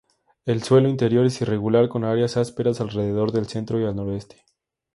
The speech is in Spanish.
El suelo interior es irregular, con áreas ásperas alrededor del centro y al noreste.